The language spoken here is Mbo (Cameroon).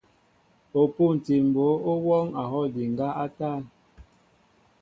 O pûntil mbǒ ó wɔɔŋ a hɔw ndiŋgá a tȃn.